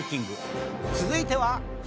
続いては。